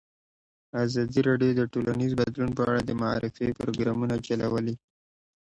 ازادي راډیو د ټولنیز بدلون په اړه د معارفې پروګرامونه چلولي.